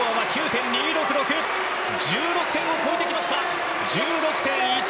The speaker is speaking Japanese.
１６点を超えてきまして１６．１６６！